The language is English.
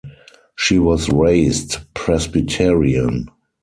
She was raised Presbyterian.